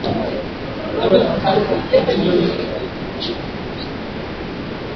Vijidudu vya ugonjwa wa kimeta